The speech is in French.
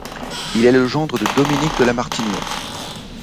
Il est le gendre de Dominique de La Martinière.